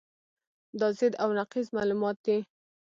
دا ضد او نقیض معلومات دي.